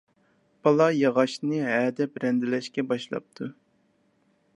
بالا ياغاچنى ھەدەپ رەندىلەشكە باشلاپتۇ.